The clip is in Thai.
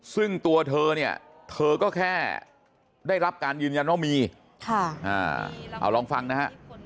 ซึ่งตัวเธอเนี่ยเธอก็แค่ได้รับการยืนยันว่ามีเอาลองฟังนะฮะ